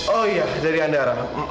oh iya dari andara